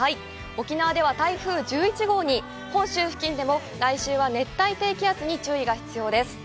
沖縄では台風１１号に本州付近でも、来週は熱帯低気圧に注意が必要です。